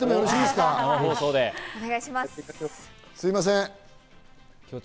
すみません。